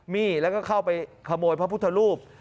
มี่แล้วก็เข้าไปขโมยพระพุทธรูป